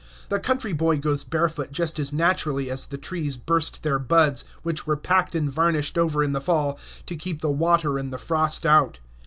The country boy goes barefoot just as naturally as the trees burst their buds, which were packed and varnished over in the fall to keep the water and the frost out.